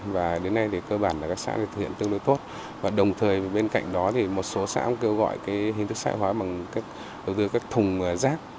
và đến nay cơ bản các xã thực hiện tương đối tốt và đồng thời bên cạnh đó một số xã cũng kêu gọi hình thức sợi hóa bằng các thùng rác